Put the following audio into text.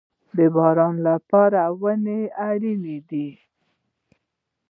د باران لپاره ونې اړین دي